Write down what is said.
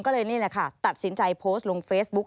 ก็เลยนี่แหละค่ะตัดสินใจโพสต์ลงเฟซบุ๊ก